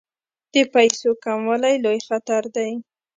د پیسو کموالی لوی خطر دی.